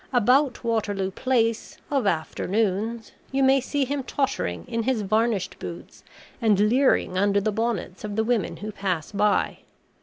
About Waterloo Place, of afternoons, you may see him tottering in his varnished boots, and leering under the bonnets of the women who pass by.